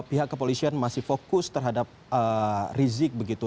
pihak kepolisian masih fokus terhadap rizik begitu